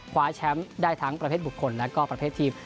คว้าแชมป์ได้ทั้งประเภทบุคคลและก็ประเภททีม